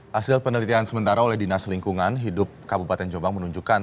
hasil penelitian sementara oleh dinas lingkungan hidup kabupaten jombang menunjukkan